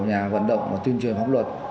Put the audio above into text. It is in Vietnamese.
nhà vận động và tuyên truyền pháp luật